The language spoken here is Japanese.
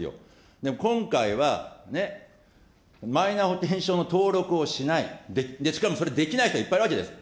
でも今回は、ね、マイナ保険証の登録をしない、しかもそれできない人いっぱいいるわけです。